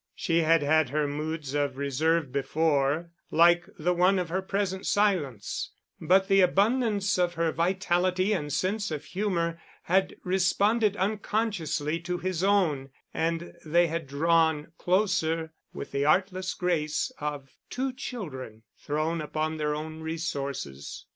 She had had her moods of reserve before, like the one of her present silence, but the abundance of her vitality and sense of humor had responded unconsciously to his own and they had drawn closer with the artless grace of two children thrown upon their own resources.